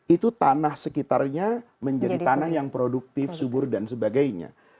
itu tanah sekitarnya menjadi tanah yang produktif subur dan sebagainya